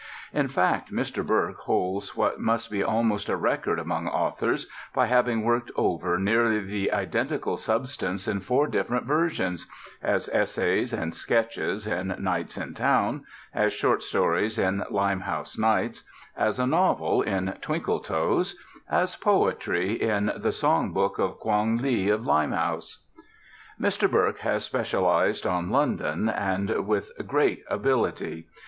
(In fact, Mr. Burke holds what must be almost a record among authors by having worked over nearly the identical substance in four different versions as essays and sketches, in Nights in Town; as short stories, in Limehouse Nights; as a novel, in Twinkletoes; as poetry, in The Song Book of Quong Lee of Limehouse.) Mr. Burke has specialized on London, and with great ability.